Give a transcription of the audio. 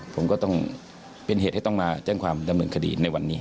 ผมก็ต้องเป็นเหตุให้ต้องมาแจ้งความดำเนินคดีในวันนี้